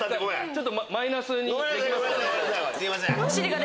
ちょっとマイナスにできますか？